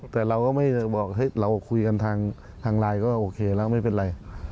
แต่เราก็ไม่บอกเราคุยกันทางไลน์ก็โอเคแล้วไม่เป็นไร